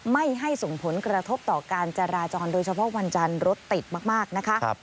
ไม่ให้ส่งผลกระทบต่อการจราจรโดยเฉพาะวันจันทร์รถติดมากนะคะ